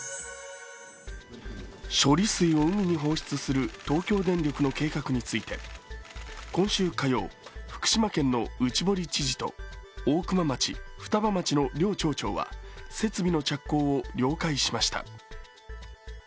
処理水を海に放出する東京電力の計画について今週火曜、福島県の内堀知事と大熊町、双葉町の両町長は設備の着工を了解しました。